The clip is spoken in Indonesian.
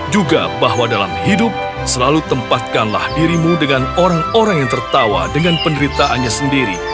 juga bahwa dalam hidup selalu tempatkanlah dirimu dengan orang orang yang tertawa dengan penderitaannya sendiri